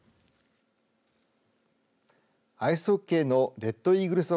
アイスホッケーのレッドイーグルス